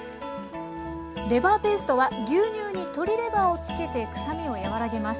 レバーペーストは牛乳に鶏レバーをつけてくさみを和らげます。